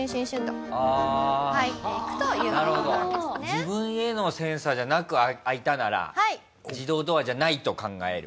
自分へのセンサーじゃなく開いたなら自動ドアじゃないと考える。